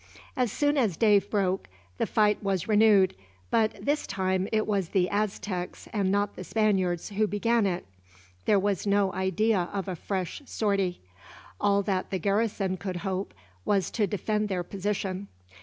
As soon as day broke the fight was renewed, but this time it was the Aztecs and not the Spaniards who began it. There was no idea of a fresh sortie. All that the garrison could hope was to defend their position.